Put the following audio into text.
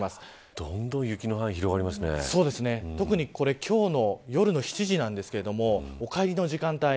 どんどん雪の範囲特にこれ今日の夜７時なんですがお帰りの時間帯